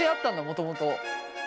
もともと。